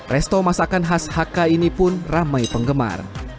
resto masakan khas haka ini pun ramai penggemar